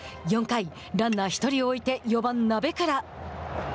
４回、ランナー１人を置いて４番鍋倉。